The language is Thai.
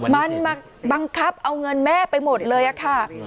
มันมาบังคับเอาเงินแม่ไปหมดเลยค่ะ